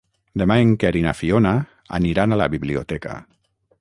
Demà en Quer i na Fiona aniran a la biblioteca.